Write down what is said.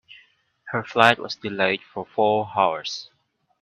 Her flight was delayed for four hours.